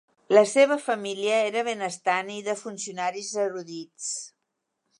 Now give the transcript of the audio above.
La seva família era benestant i de funcionaris erudits.